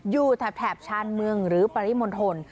แถบชานเมืองหรือปริมณฑล